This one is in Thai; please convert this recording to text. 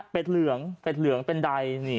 เป็ดเหลืองเป็ดเหลืองเป็นใดนี่